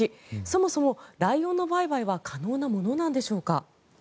そもそも、ライオンの売買は可能なものなんでしょうか。